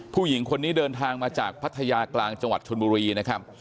ผู้หญิงคนนี้เดินทางมาจากพัทยากลางจังหวัดชนบุรีนะครับ